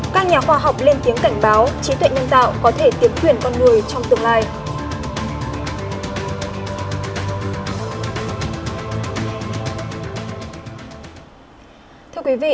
các nhà khoa học lên tiếng cảnh báo trí tuệ nhân tạo có thể tiến quyển con người trong tương lai